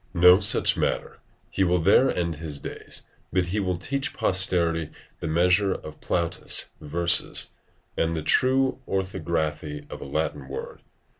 No such matter; he will there end his days, but he will teach posterity the measure of Plautus' verses and the true orthography of a Latin word.